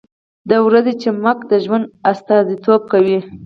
• د ورځې چمک د ژوند استازیتوب کوي.